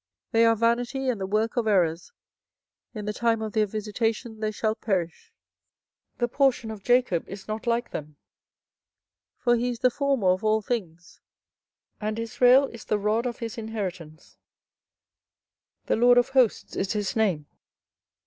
24:010:015 They are vanity, and the work of errors: in the time of their visitation they shall perish. 24:010:016 The portion of Jacob is not like them: for he is the former of all things; and Israel is the rod of his inheritance: The LORD of hosts is his name.